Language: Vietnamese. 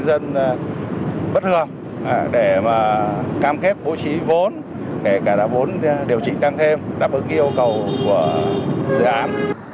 dân bất thường để mà cam kết bố trí vốn kể cả vốn điều trị tăng thêm đáp ứng yêu cầu của dự án